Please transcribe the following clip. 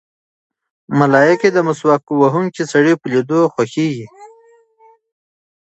ملایکې د مسواک وهونکي سړي په لیدو خوښېږي.